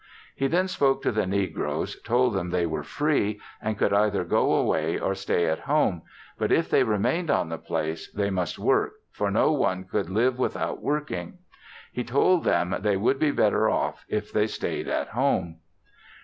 He then spoke to the negroes, told them they were free and could either go away or stay at home, but if they remained on the place, they must work, for no one could live without working. He told them they would be better off if they stayed at home.